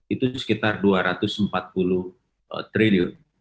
itu sekitar dua ratus empat puluh triliun